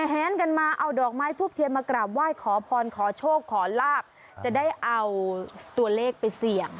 แหนกันมาเอาดอกไม้ทูบเทียนมากราบไหว้ขอพรขอโชคขอลาบจะได้เอาตัวเลขไปเสี่ยง